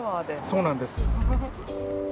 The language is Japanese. そうなんです。